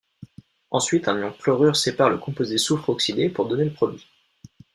Ensuite un ion chlorure sépare le composé soufre oxydé pour donner le produit.